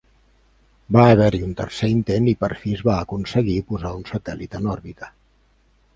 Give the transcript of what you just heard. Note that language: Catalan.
Va haver-hi un tercer intent i per fi es va aconseguir posar un satèl·lit en òrbita.